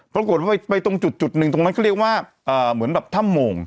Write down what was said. ปรากฏว่าไปตรงจุดหนึ่งตรงนั้นเขาเรียกว่าเหมือนแบบถ้ำโมง